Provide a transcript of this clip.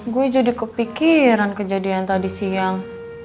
gue jadi kepikiran kejadian tadi siang